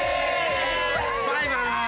バイバーイ。